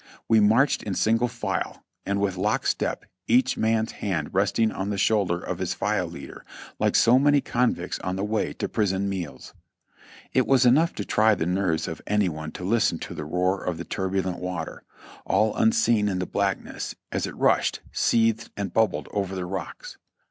We marched in single file and with lock step, each man's hand resting on the shoulder of his file leader, like so many convicts on the way to prison meals. It was enough to try the nerves of any one to listen to the roar of the turbulent water, all unseen in the blackness, as it rushed, seethed and bubbled over the rocks.